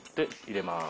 入れます。